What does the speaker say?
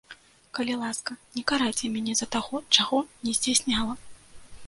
Калі ласка, не карайце мяне за таго, чаго не здзяйсняла.